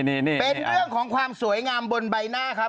นี่เป็นเรื่องของความสวยงามบนใบหน้าครับ